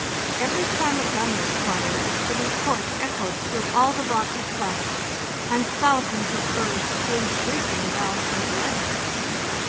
Every time a gun was fired the report echoed through all the rocky clefts, and thousands of It seemed birds flew shrieking down from the ledges ges.